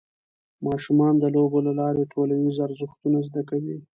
ماشومان د لوبو له لارې ټولنیز ارزښتونه زده کوي.